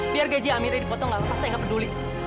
biar gaji amirnya dipotong gak lepas saya gak peduli